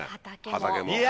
畑も。